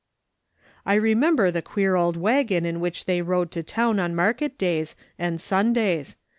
" I remember the queer old waggon in which they rode to town on market days, and Sundays.